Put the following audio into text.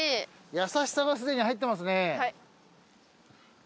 優しさがすでに入ってますね。